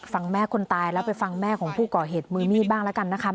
แม่คนตายแล้วไปฟังแม่ของผู้ก่อเหตุมือมีดบ้างแล้วกันนะคะ